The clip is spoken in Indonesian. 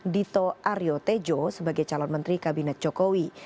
dito aryo tejo sebagai calon menteri kabinet jokowi